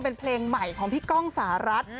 เป็นเพลงใหม่ของพี่ก้องสหรัฐ